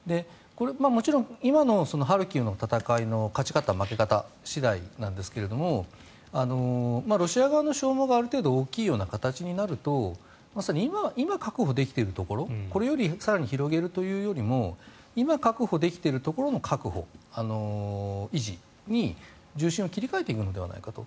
もちろん今のハルキウの戦いの勝ち方、負け方次第なんですがロシア側の消耗がある程度大きいような形になるとまさに今、確保できているところこれより更に広げるというよりも今、確保できているところの確保・維持に重心を切り替えていくのではないかと。